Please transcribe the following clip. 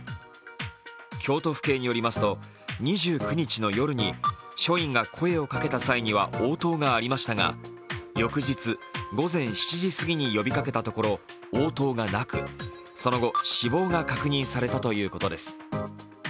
京都府警によりますと、２９日の夜に署員が声をかけた際には応答がありましたが翌日、午前７時すぎに呼びかけたところ応答がなく、その後、死亡が確認されたということです。